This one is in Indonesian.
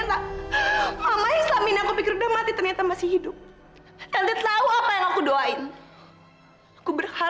sampai jumpa di video selanjutnya